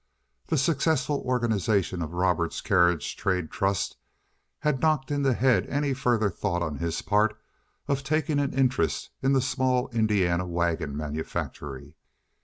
The successful organization of Robert's carriage trade trust had knocked in the head any further thought on his part of taking an interest in the small Indiana wagon manufactory.